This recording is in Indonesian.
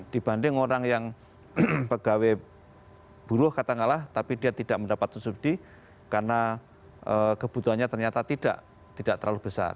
dibanding orang yang pegawai buruh katakanlah tapi dia tidak mendapat subsidi karena kebutuhannya ternyata tidak terlalu besar